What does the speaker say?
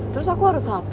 terus aku harus apa